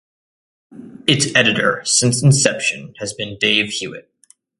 Its editor since inception has been Dave Hewitt.